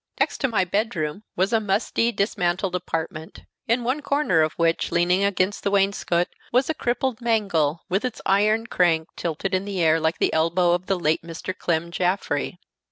Next to my bedroom was a musty, dismantled apartment, in one corner of which, leaning against the wainscot, was a crippled mangle, with its iron crank tilted in the air like the elbow of the late Mr. Clem Jaffrey.